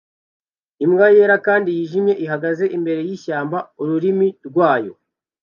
Imbwa yera kandi yijimye ihagaze imbere yishyamba ururimi rwayo